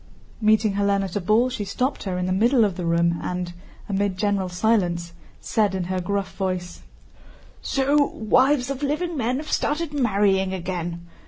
Meeting Hélène at a ball she stopped her in the middle of the room and, amid general silence, said in her gruff voice: "So wives of living men have started marrying again!